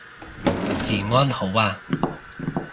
治安好啊